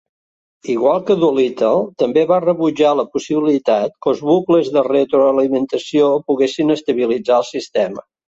Igual que Doolittle, també va rebutjar la possibilitat que els bucles de retroalimentació poguessin estabilitzar el sistema.